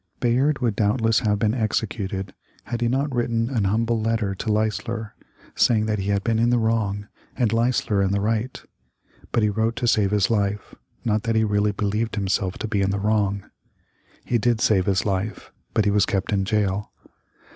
Bayard would doubtless have been executed had he not written an humble letter to Leisler saying that he had been in the wrong and Leisler in the right. But he wrote to save his life, not that he really believed himself to be in the wrong. He did save his life, but he was kept in jail.